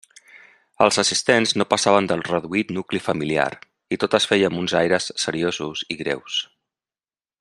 Els assistents no passaven del reduït nucli familiar i tot es feia amb uns aires seriosos i greus.